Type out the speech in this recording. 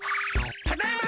ただいま。